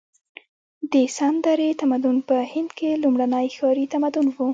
د سند درې تمدن په هند کې لومړنی ښاري تمدن و.